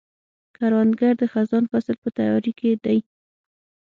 کروندګر د خزان فصل په تیاري کې دی